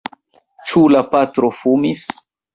Ĉu la patro fumis?